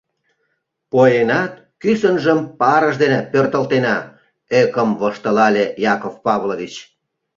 Поенат, кӱсынжым парыш дене пӧртылтена, — ӧкым воштылале Яков Павлович.